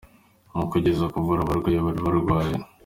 Mu kugerageza kuvura abarwayi bari barwaye